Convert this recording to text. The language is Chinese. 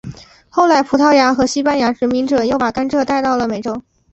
后来葡萄牙和西班牙殖民者又把甘蔗带到了美洲。